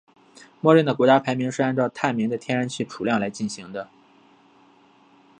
默认的国家排名是按照探明的天然气储量来进行的。